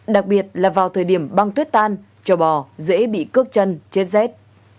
đặc biệt là vào thời điểm băng tuyết tan cho bò dễ bị cước chân chết rét